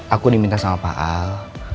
aku diminta sama paal